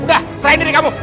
udah serahin diri kamu